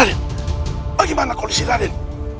tarin bagaimana kondisi tarin